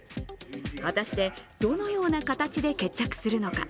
果たしてどのような形で決着するのか。